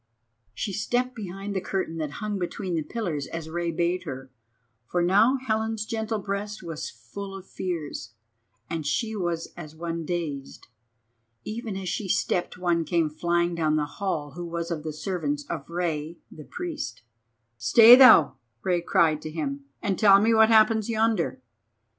She stepped behind the curtain that hung between the pillars as Rei bade her, for now Helen's gentle breast was full of fears, and she was as one dazed. Even as she stepped one came flying down the hall who was of the servants of Rei the Priest. "Stay thou," Rei cried to him, "and tell me what happens yonder."